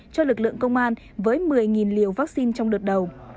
cho lực lượng công an với một mươi liều vaccine trong đợt đầu